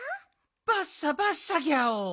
バッサバッサギャオ。